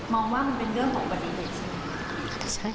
องว่ามันเป็นเรื่องของอุบัติเหตุใช่ไหมคะ